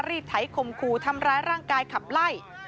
รีดไถคมครูทำร้ายร่างกายขับไล่